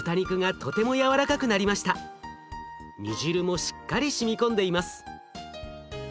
煮汁もしっかりしみ込んでいます。